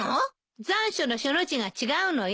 残暑の「暑」の字が違うのよ。